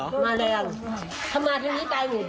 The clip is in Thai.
มาแรงถ้ามาที่นี่ตายหมู่ดึง